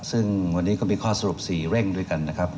ซึ่งวันนี้ก็มีข้อสรุป๔เร่งด้วยกันนะครับ